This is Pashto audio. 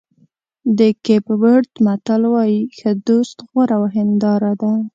د کېپ ورېډ متل وایي ښه دوست غوره هنداره ده.